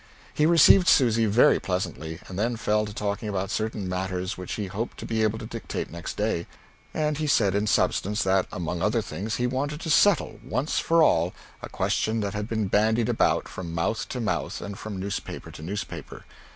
He received Susy very pleasantly, and then fell to talking about certain matters which he hoped to be able to dictate next day; and he said in substance that, among other things, he wanted to settle once for all a question that had been bandied about from mouth to mouth and from newspaper to newspaper.